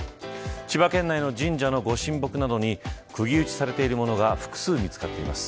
千葉県内の神社のご神木などにくぎ打ちされているものが複数見つかっています。